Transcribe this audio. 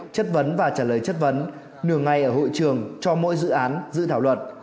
chất vấn và trả lời chất vấn nửa ngay ở hội trường cho mỗi dự án dự thảo luật